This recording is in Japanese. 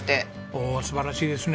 おお素晴らしいですね。